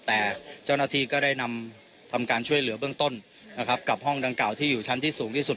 แต่เจ้าหน้าที่ก็ได้นำทำการช่วยเหลือเบื้องต้นนะครับกับห้องดังเก่าที่อยู่ชั้นที่สูงที่สุด